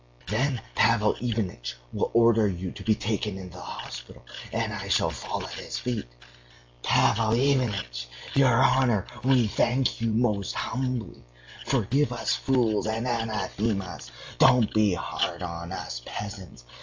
Then Pavel Ivanitch will order you to be taken into the hospital, and I shall fall at his feet.... 'Pavel Ivanitch! Your honor, we thank you most humbly! Forgive us fools and anathemas, don't be hard on us peasants!